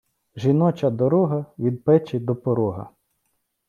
жіноча дорога – від печи до порога